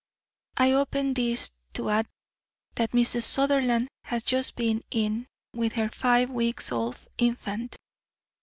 I open this to add that Mrs. Sutherland has just been in with her five weeks old infant.